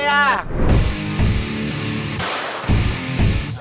เกมอะไรคะเป็นอะไรอ่ะ